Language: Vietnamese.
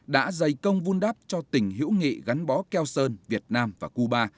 đã dày công vun đắp cho tình hữu nghị gắn bó keo sơn việt nam và cuba